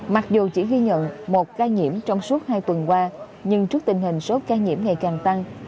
mặc dù chỉ ghi nhận một ca nhiễm trong suốt hai tuần qua nhưng trước tình hình số ca nhiễm ngày càng tăng